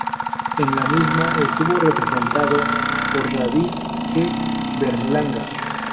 En la misma estuvo representado por David G. Berlanga.